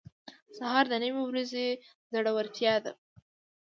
سهار د نوې ورځې زړورتیا ده.